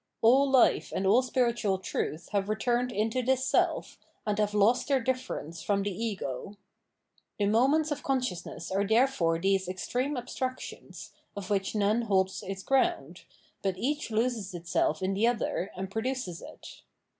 All life and all spiritual truth have returned into this self, and have lost their difference from the ego. The moments of conscious ness are therefore these extreme abstractions, of which none holds its ground, but each loses itself in the other and produces it.